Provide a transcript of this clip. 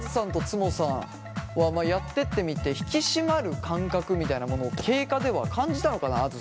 んとつもさんはやってってみて引き締まる感覚みたいなものを経過では感じたのかな？